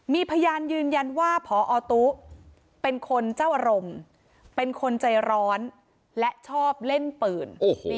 มีพยานยืนยันว่าพอตุ๊เป็นคนเจ้าอารมณ์เป็นคนใจร้อนและชอบเล่นปืน